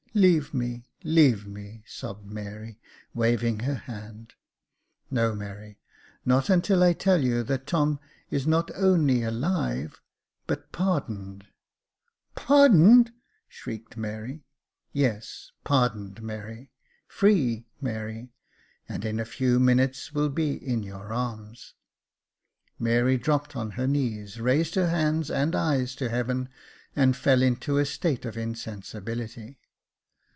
" Leave me, leave me," sobbed Mary, waving her hand. " No, Mary, not until I tell you that Tom is not only alive, but — pardoned." ''Pardoned !" shrieked Mary. *' Yes, pardoned, Mary, — free, Mary, — and in a few minutes will be in your arms." Mary dropped on her knees, raised her hands and eyes to heaven, and then fell into a state of insensibility.